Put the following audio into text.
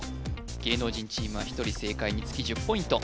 芸能人チームは１人正解につき１０ポイント